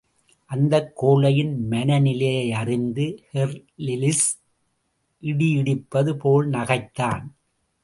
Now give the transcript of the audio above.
அந்தக் கோழையின் மனநிலையை அறிந்து, ஹெர்லிலிஸ் இடியிடிப்பது போல் நகைத்தான்.